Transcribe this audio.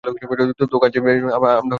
তো, কাজের মেয়ে, আমরা ঝাড়ুটা খুজছিলাম।